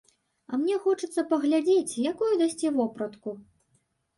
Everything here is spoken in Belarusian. А мне хочацца паглядзець, якую дасце вопратку?